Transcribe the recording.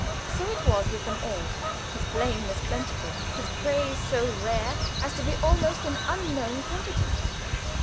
So it was with them all. His blame was plentiful; his praise so rare as to be almost an unknown quantity.